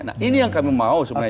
nah ini yang kami mau supaya